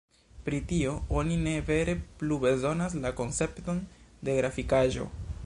Pri tio oni ne vere plu bezonas la koncepton de grafikaĵo.